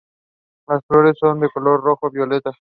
Las flores son de un color rojo violeta.